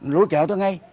lối trở tôi ngay